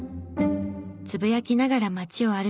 つぶやきながら街を歩く